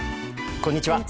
こんにちは。